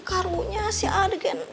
karunya si aden